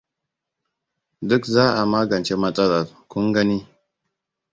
Duk za a magance matsalar, kun gani.